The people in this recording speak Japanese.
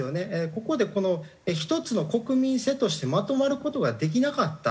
ここでこの１つの国民性としてまとまる事ができなかった。